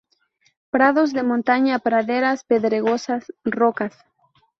Prados de montaña, praderas pedregosas, rocas.